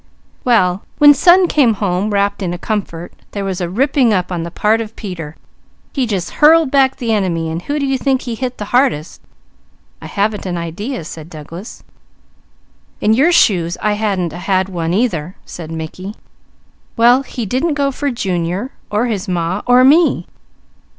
"Well when son came home, wrapped in a comfort, there was a ripping up on the part of Peter. He just 'hurled back the enemy,' and who do you think he hit the hardest?" "I haven't an idea," said Douglas. "In your shoes, I wouldn't a had one either," said Mickey. "Well, he didn't go for Junior, or his Ma, or me.